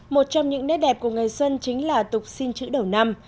một trong những nét đẹp của ngày xuân chính là tục xin chữ đầu năm